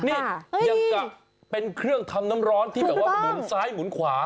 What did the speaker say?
นี่ยังกะเป็นเครื่องทำน้ำร้อนที่แบบว่าหมุนซ้ายหมุนขวา